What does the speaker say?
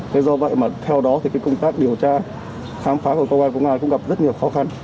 thế do vậy mà theo đó thì công tác điều tra khám phá của công an cũng gặp rất nhiều khó khăn